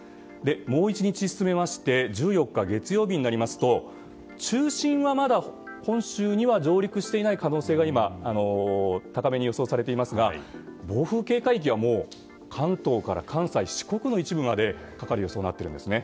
もう１日進めまして１４日、月曜日になりますと中心はまだ本州には上陸していない可能性が高めに予想されていますが暴風警戒域は関東から関西、四国の一部までかかる予想になっているんですね。